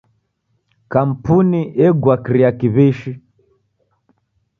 Kampuni egua kiria kiw'ishi.